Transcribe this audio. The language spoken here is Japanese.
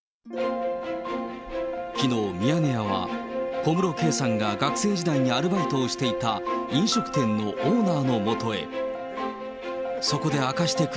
きのう、ミヤネ屋は小室圭さんが学生時代にアルバイトをしていた、飲食店のオーナーのもとへ。